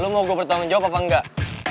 lu mau gue bertanggung jawab apa enggak